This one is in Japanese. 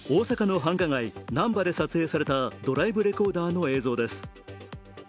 これは大阪の繁華街、難波で撮影されたドライブレコーダーの映像です。